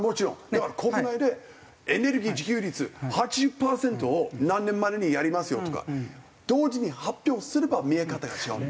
だから国内でエネルギー自給率８０パーセントを何年までにやりますよとか同時に発表すれば見え方が違う。